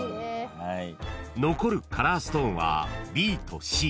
［残るカラーストーンはＢとＣ］